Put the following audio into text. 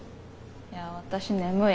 いや私眠い。